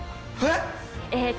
えっ！？